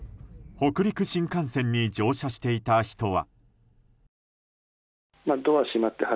北陸新幹線に乗車していた人は。